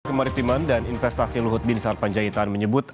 kemaritiman dan investasi luhut bin sarpanjaitan menyebut